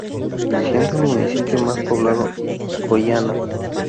Siendo el municipio más poblado Goiânia.